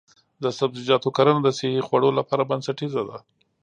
د سبزیجاتو کرنه د صحي خوړو لپاره بنسټیزه ده.